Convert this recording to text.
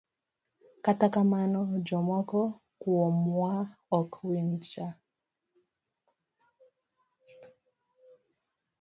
Kata kamano, jomoko kuomwa ok winjga.